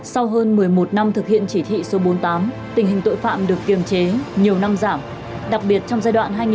sau hơn một mươi một năm thực hiện chỉ thị số bốn mươi tám tình hình tội phạm được kiềm chế nhiều năm giảm đặc biệt trong giai đoạn